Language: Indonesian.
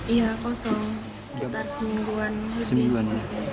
iya kosong sekitar semingguan